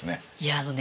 あのね